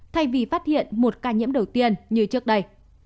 thay vì phát hiện một ca nhiễm đầu tiên như trước đây